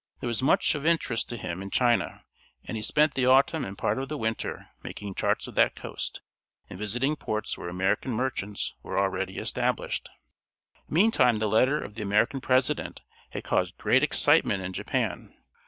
There was much of interest to him in China, and he spent the autumn and part of the winter making charts of that coast, and visiting ports where American merchants were already established. Meantime the letter of the American President had caused great excitement in Japan.